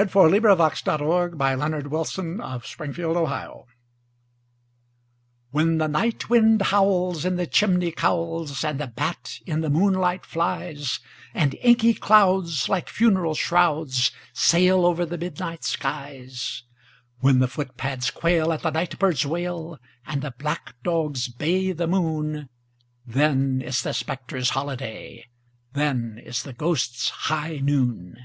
But then, unhappily, I'm not thy bride! THE GHOSTS' HIGH NOON WHEN the night wind howls in the chimney cowls, and the bat in the moonlight flies, And inky clouds, like funeral shrouds, sail over the midnight skies— When the footpads quail at the night bird's wail, and black dogs bay the moon, Then is the spectres' holiday—then is the ghosts' high noon!